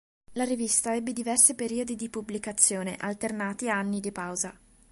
La rivista ebbe diversi periodi di pubblicazione, alternati a anni di pausa.